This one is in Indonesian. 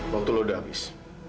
waktu lu udah habis